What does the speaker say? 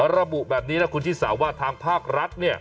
ระบุแบบนี้นะคุณผู้ชมว่าทางภาครัฐเนี่ย